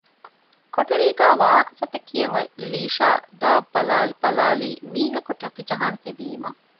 ކޮޓަރީގައި ވާހަކަފޮތެއް ކިޔަން އޮތް ލީޝާ ދޮރާދިމާއަށް ބަލާލީ މީހަކު ޓަކިޖަހަން ހެދީމަ